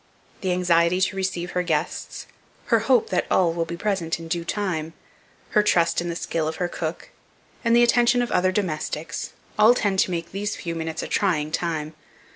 The anxiety to receive her guests, her hope that all will be present in due time, her trust in the skill of her cook, and the attention of the other domestics, all tend to make these few minutes a trying time.